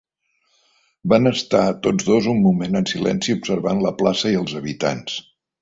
Van estar tots dos un moment en silenci, observant la plaça i els habitants.